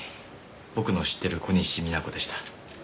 僕の知ってる小西皆子でした。